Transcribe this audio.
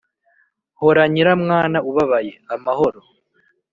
hora nyiramwana ubabaye amahoro